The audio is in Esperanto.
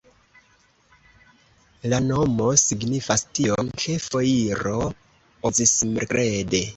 La nomo signifas tion, ke foiro okazis merkrede.